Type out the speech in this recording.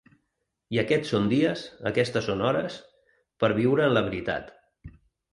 I aquests són dies, aquestes són hores, per viure en la veritat.